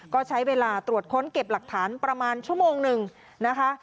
ก็ใช้เวลาตรวจค้นเก็บหลักฐานประมาณชั่วโมงหนึ่งนะคะ